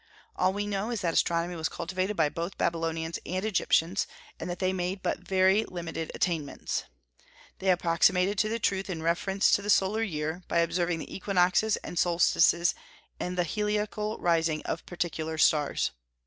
All we know is that astronomy was cultivated by both Babylonians and Egyptians, and that they made but very limited attainments. They approximated to the truth in reference to the solar year, by observing the equinoxes and solstices and the heliacal rising of particular stars.